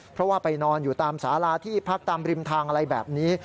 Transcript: เพราะว่าไปนอนอยู่ตามสาราที่พักตามริมทางอะไรแบบนี้